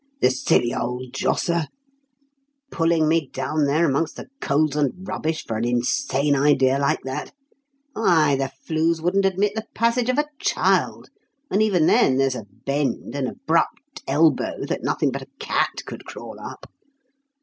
"The silly old josser! pulling me down there amongst the coals and rubbish for an insane idea like that! Why, the flues wouldn't admit the passage of a child; and even then, there's a bend an abrupt 'elbow' that nothing but a cat could crawl up.